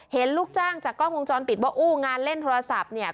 ลูกจ้างจากกล้องวงจรปิดว่าอู้งานเล่นโทรศัพท์เนี่ย